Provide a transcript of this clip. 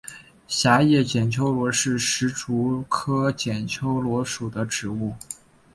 狭叶剪秋罗是石竹科剪秋罗属的植物。